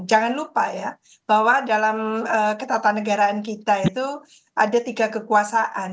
jangan lupa ya bahwa dalam ketatanegaraan kita itu ada tiga kekuasaan